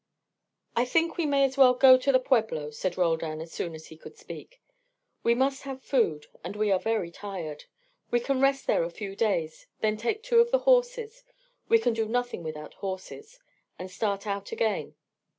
"I think we may as well go to the pueblo," said Roldan, as soon as he could speak. "We must have food, and we are very tired. We can rest there a few days, then take two of the horses we can do nothing without horses and start out again.